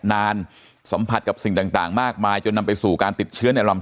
สัมผัสกับสิ่งต่างมากมายจนนำไปสู่การติดเชื้อในลำ